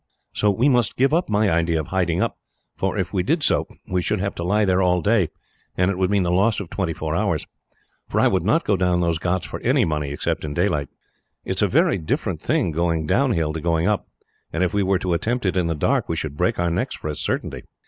So we must give up my idea of hiding up, for if we did so we should have to lie there all day, and it would mean the loss of twenty four hours; for I would not go down those ghauts for any money, except in daylight. It is a very different thing going downhill to going up, and if we were to attempt it in the dark, we should break our necks for a certainty.